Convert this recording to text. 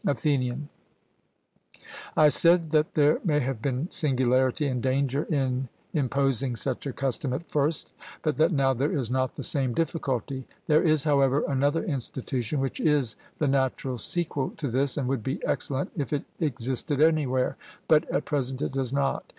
ATHENIAN: I said that there may have been singularity and danger in imposing such a custom at first, but that now there is not the same difficulty. There is, however, another institution which is the natural sequel to this, and would be excellent, if it existed anywhere, but at present it does not.